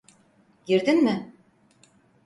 Girdin mi?